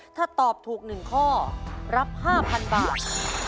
ถ้าตอบถูก๑ข้อรับ๕๐๐๐บาท